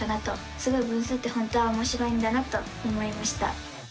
すごい分数って本当はおもしろいんだなと思いました！